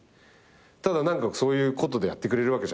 ただ何かそういうことでやってくれるわけじゃん。